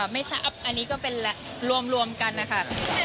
ไม่ชอบอันนี้ก็เป็นแหละรวมรวมกันนะคะ